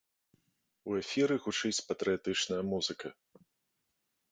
У эфіры гучыць патрыятычная музыка.